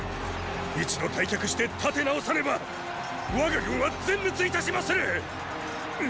一度退却して立て直さねば我が軍は全滅いたしまする！